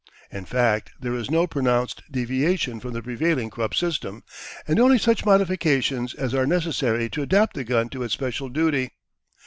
In fact there is no pronounced deviation from the prevailing Krupp system, and only such modifications as are necessary to adapt the arm to its special duty.